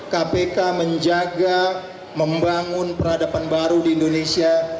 kpk menjaga membangun peradaban baru di indonesia